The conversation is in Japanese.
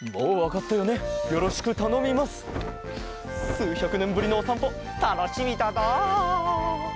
すうひゃくねんぶりのおさんぽたのしみだな。